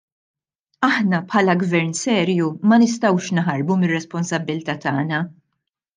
Aħna bħala gvern serju ma nistgħux naħarbu mir-responsabbilta' tagħna.